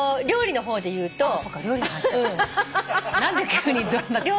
料理の方でいうと。